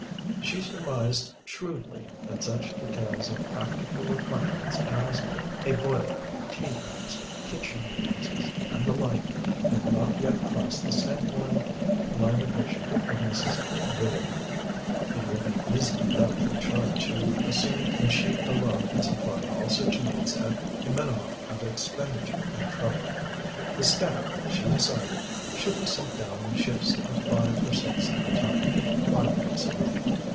She surmised shrewdly that such details of practical requirements as a boiler, tea urns, kitchen utensils, and the like, had not yet crossed the sanguine line of vision of Mrs. Willoughby. It would be easy enough for Char to assume command when she alone could supply all such needs at a minimum of expenditure and trouble. The staff, she decided, should be sent down in shifts of five or six at a time, five nights a week.